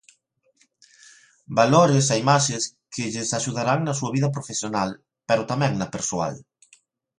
Valores e imaxes que lles axudarán na súa vida profesional pero tamén na persoal.